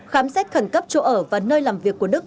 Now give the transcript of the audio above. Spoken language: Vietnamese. khám xét khẩn cấp chỗ ở và nơi làm việc của đức